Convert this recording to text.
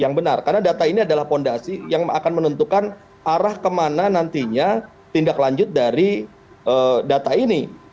yang benar karena data ini adalah fondasi yang akan menentukan arah kemana nantinya tindak lanjut dari data ini